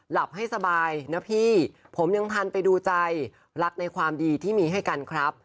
หลับให้สบายนะพี่ผมยังทันไปดูใจรักในความดีที่มีให้กันครับ